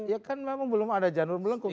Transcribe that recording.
ya kan memang belum ada janur melengkung